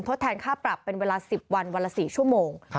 แทนค่าปรับเป็นเวลา๑๐วันวันละ๔ชั่วโมง